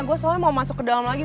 gue soalnya mau masuk ke dalam lagi